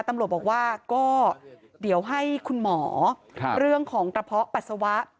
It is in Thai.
ตำรวจบอกว่าก็เดี๋ยวให้คุณหมอเรื่องของกระเพาะปัสสาวะ